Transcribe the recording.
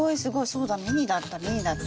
そうだミニだったミニだった。